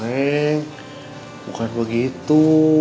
neng bukan begitu